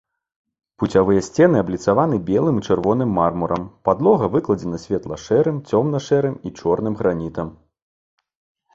Пуцявыя сцены абліцаваны белым і чырвоным мармурам, падлога выкладзена светла-шэрым, цёмна-шэрым і чорным гранітам.